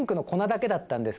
だけだったんです